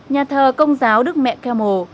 nhà thờ công giáo đức mẹ khe mồ